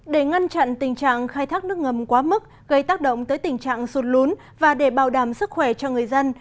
để ngăn chặn tình trạng khai thác nước ngầm quá mức gây tác động tới tình trạng sụt lún và để bảo đảm sức khỏe cho người dân